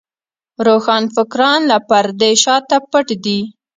روښانفکران له پردې شاته پټ دي.